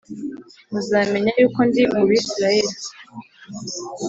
Muzamenya yuko ndi mu bisirayeli